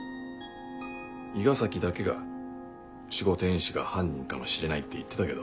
伊賀崎だけが守護天使が犯人かもしれないって言ってたけど。